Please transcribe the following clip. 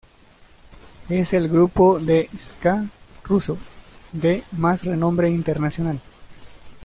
Es el grupo de ska ruso de más renombre internacional.